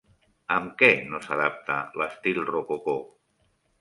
Amb què no s'adapta l'estil rococó?